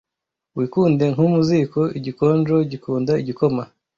wikunde nko mu ziko igikonjo gikunda igikoma